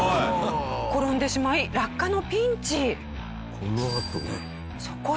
転んでしまい落下のピンチ。